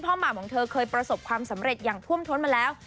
หม่ำของเธอเคยประสบความสำเร็จอย่างท่วมท้นมาแล้ว